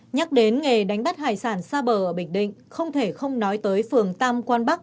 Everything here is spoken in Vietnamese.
nhắc đến nghề đánh bắt hải sản xa bờ ở bình định không thể không nói tới phường tam quan bắc